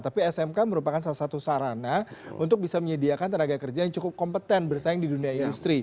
tapi smk merupakan salah satu sarana untuk bisa menyediakan tenaga kerja yang cukup kompeten bersaing di dunia industri